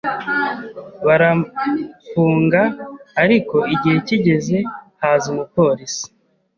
baramfunga ariko igihe kigeze haza umupolisi